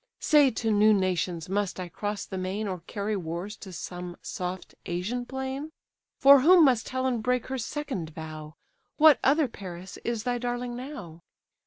Say, to new nations must I cross the main, Or carry wars to some soft Asian plain? For whom must Helen break her second vow? What other Paris is thy darling now?